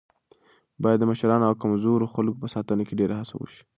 باید د مشرانو او کمزورو خلکو په ساتنه کې ډېره هڅه وشي.